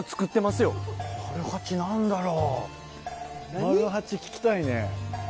マル八聞きたいね。